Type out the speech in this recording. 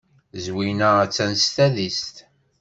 Zwina attan s tadist.